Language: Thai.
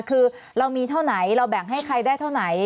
คือเรามีเท่าไหนเราแบ่งให้ใครได้เท่าไหน